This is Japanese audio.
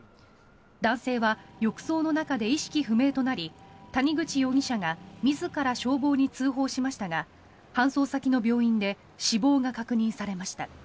男性は浴槽の中で意識不明となり谷口容疑者が自ら消防に通報しましたが搬送先の病院で死亡が確認されました。